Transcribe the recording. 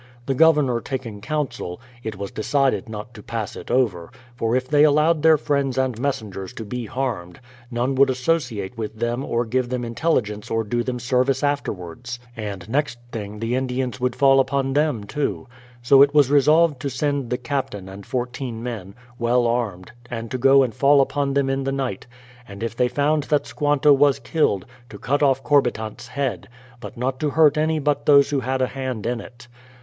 The Governor taking counsel, it was decided not to pass it over, for if they allowed their friends and messengers to be harmed, none would associate with them or give them intelligence or do them service afterwards ; and next thing the Indians would 88 BRADFORD'S HISTORY OF fall upon them, too. So it was resolved to send the Captain and fourteen men, well armed, and to go and fall upon them in the night; and if they found that Squanto was killed, to cut off Corbitant's head, but not to hurt any but those who had a hand in it.